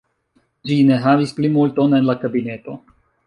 Ĝi ne havis plimulton en la kabineto.